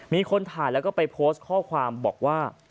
มีคนถ่ายแล้วก็ไปโพสต์ข้อความบอกว่า